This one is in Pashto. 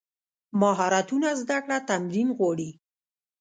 مهارتونه زده کړه تمرین غواړي.